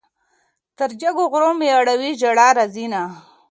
تر جګو غرو مې اړوي ژړا راځينه